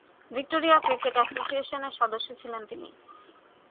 Victoria cricket অ্যাসোসিয়েশনের সদস্য ছিলেন তিনি।